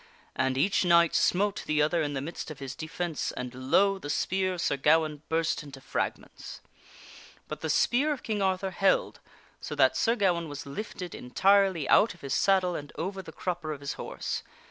And each knight smote io6 THE WINNING OF A QUEEN the other in the midst of his defence, and lo ! the spear of Sir Gawaine burst into fragments. But the spear of King Arthur held, so that Sir Ga waine was lifted entirely out of his saddle and over the crupper of his horse.